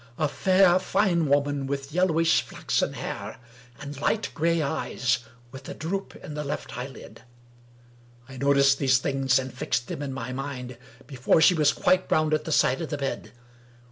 A fair, fine woman, with yellowish flaxen hair, and light gray eyes, with a droop in the left eyelid. I noticed these things and fixed them in my mind, before she was quite round at the side of the bed.